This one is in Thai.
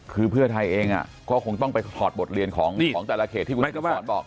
คือเพื่อไทยเองก็คงต้องไปถอดบทเรียนของแต่ละเขตที่คุณรัชพรบอก